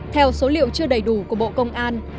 theo số liệu chưa đầy đủ của bộ công an